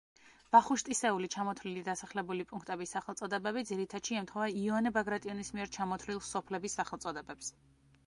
ვახუშტისეული ჩამოთვლილი დასახლებული პუნქტების სახელწოდებები ძირითადში ემთხვევა იოანე ბაგრატიონის მიერ ჩამოთვლილ სოფლების სახელწოდებებს.